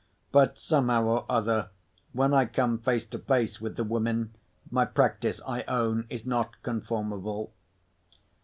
But somehow or other, when I come face to face with the women, my practice (I own) is not conformable.